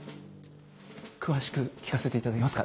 詳しく聞かせていただけますか。